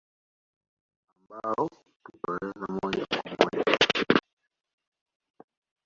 ambao tukueleza moja kwa moja